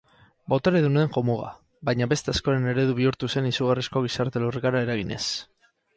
Boteredunen jomuga, baina beste askoren eredu bihurtu zen izugarrizko gizarte lurrikara eraginez.